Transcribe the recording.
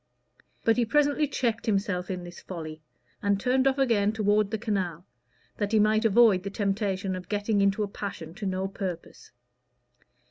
But he presently checked himself in this folly and turned off again toward the canal, that he might avoid the temptation of getting into a passion to no purpose.